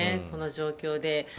この状況で。